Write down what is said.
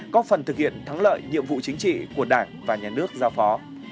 có phần thực hiện thắng lợi nhiệm vụ chính trị của đảng và nhà nước giao phó